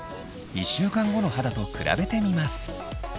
１週間後の肌と比べてみます。